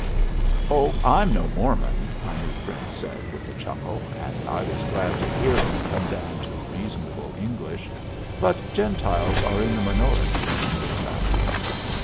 "Oh, I'm no Mormon," my new friend said, with a chuckle, and I was glad to hear him come down to reasonable English. "But Gentiles are in the minority in this valley."